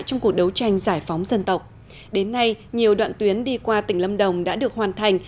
trong cuộc đấu tranh giải phóng dân tộc đến nay nhiều đoạn tuyến đi qua tỉnh lâm đồng đã được hoàn thành